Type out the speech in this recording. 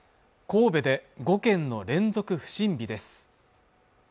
神戸で５件の連続不審火です